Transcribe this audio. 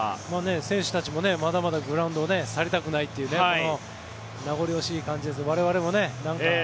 選手たちもまだまだグラウンドを去りたくないという名残惜しい感じですね。